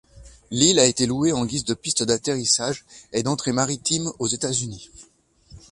L'île a été louée en guise de piste d'atterrissage et d'entrée maritime aux États-Unis.